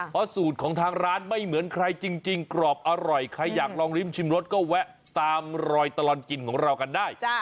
เพราะสูตรของทางร้านไม่เหมือนใครจริงกรอบอร่อยใครอยากลองริมชิมรสก็แวะตามรอยตลอดกินของเรากันได้